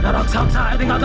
ada raksasa yang tinggalkan